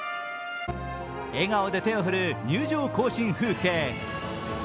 笑顔で手を振る入場行進風景。